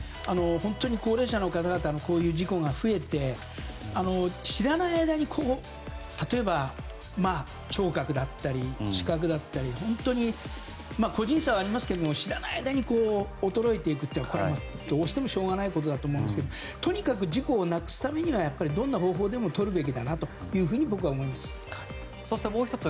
本当に高齢者の方々の事故が増えて知らない間に、例えば聴覚だったり、視覚だったり本当に個人差はありますけど知らない間に衰えていくのはどうしてもしょうがないことだと思うんですけどとにかく事故をなくすためにはどんな方法でもとるべきだなとそして、もう１つ